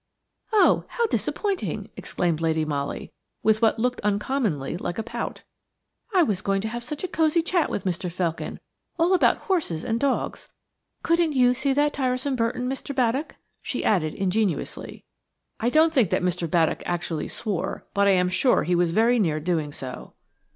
"Oh! how disappointing!" exclaimed Lady Molly, with what looked uncommonly like a pout. "I was going to have such a cosy chat with Mr. Felkin–all about horses and dogs. Couldn't you see that tiresome Burton, Mr. Baddock?" she added ingenuously. I don't think that Mr. Baddock actually swore, but I am sure he was very near doing so.